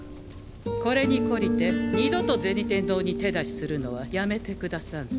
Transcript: これに懲りて二度と銭天堂に手出しするのはやめてくださんせ。